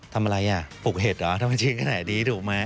ทำอะไรอ่ะปลูกเห็ดเหรอทำไมชิ้นขนาดนี้ถูกไหม